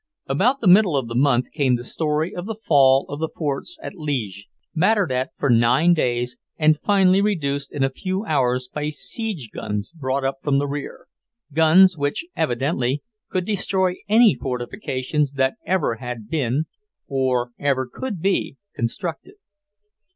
About the middle of the month came the story of the fall of the forts at Liege, battered at for nine days and finally reduced in a few hours by siege guns brought up from the rear, guns which evidently could destroy any fortifications that ever had been, or ever could be constructed.